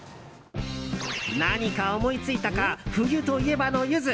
何か思いついたか冬といえばのユズ。